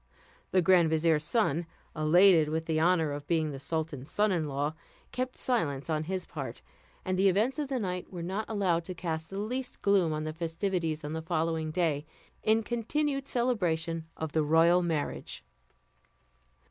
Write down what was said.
The grand vizier's son, elated with the honour of being the sultan's son in law, kept silence on his part, and the events of the night were not allowed to cast the least gloom on the festivities on the following day, in continued celebration of the royal marriage.